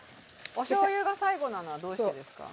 おしょうゆが最後なのはどうしてですか？